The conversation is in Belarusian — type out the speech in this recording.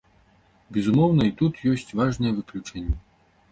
Безумоўна, і тут ёсць важныя выключэнні.